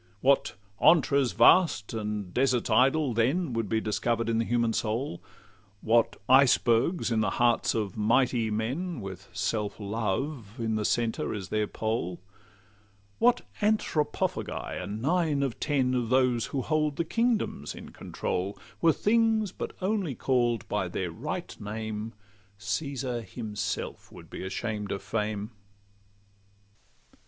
What 'antres vast and deserts idle' then Would be discover'd in the human soul! What icebergs in the hearts of mighty men, With self love in the centre as their pole! What Anthropophagi are nine of ten Of those who hold the kingdoms in control Were things but only call'd by their right name, Caesar himself would be ashamed of fame.